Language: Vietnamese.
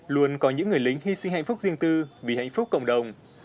luôn có những người lính hy sinh hạnh phúc riêng tư vì hạnh phúc cộng đồng